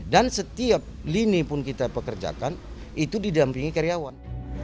dan setiap lini pun kita pekerjakan itu didampingi karyawan